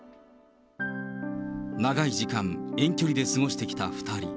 長い時間、遠距離で過ごしてきた２人。